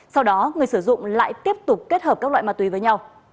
sau đó người sử dụng lại tiếp tục kết hợp các loại ma túy với nhau